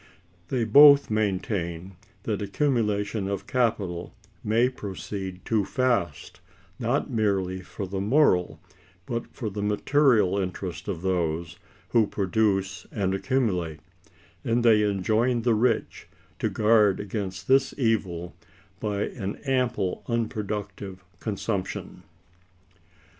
They both maintain that accumulation of capital may proceed too fast, not merely for the moral but for the material interest of those who produce and accumulate; and they enjoin the rich to guard against this evil by an ample unproductive consumption.